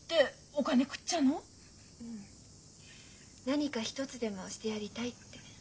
「何か一つでもしてやりたい」って。